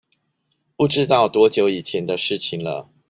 不知道多久以前的事情了